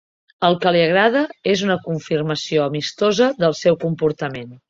El que li agrada és una confirmació amistosa del seu comportament.